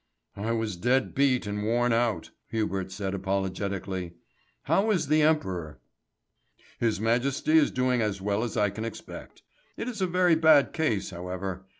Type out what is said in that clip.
"I was dead beat and worn out," Hubert said apologetically. "How is the Emperor?" "His Majesty is doing as well as I can expect. It is a very bad case, however.